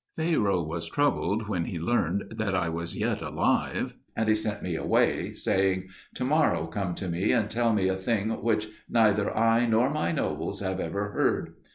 Pharaoh was troubled when he learned that I was yet alive, and he sent me away, saying, "Tomorrow come to me and tell me a thing which neither I nor my nobles have ever heard."